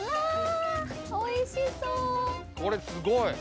これすごい。